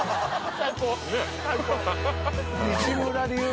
最高。